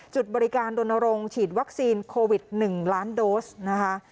จุดบริการดนรงค์ฉีดวัคซีนโควิด๑ล้านโดสนะคะ